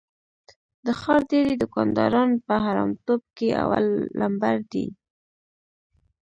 د ښار ډېری دوکانداران په حرامتوب کې اول لمبر دي.